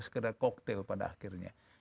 sekedar cocktail pada akhirnya